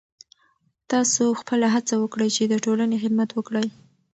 تاسو خپله هڅه وکړئ چې د ټولنې خدمت وکړئ.